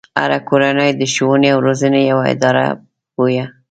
هره کورنۍ د ښوونې او روزنې يوه اداره بويه.